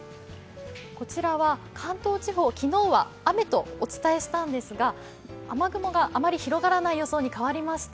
こちらは関東地方、昨日は雨とお伝えしたんですが雨雲があまり広がらない予想に変わりました。